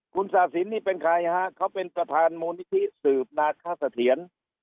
คุณศาสินนี่เป็นใครฮะเขาเป็นประธานมูลนิธิสืบนาคสะเทียน